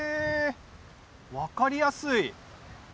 分かりやすい！